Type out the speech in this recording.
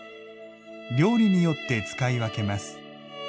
料理によって使い分けます。